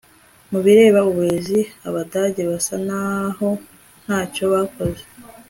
mu bireba uburezi abadage basa naho nta cyo bakoze